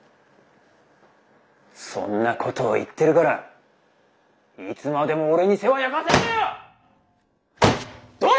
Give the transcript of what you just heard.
そんなことを言ってるからいつまでも俺に世話焼かせんだよ！